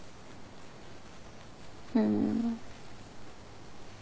うん。